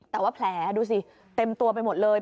แต่ว่าแผลดูสิเต็มตัวไปหมดเลย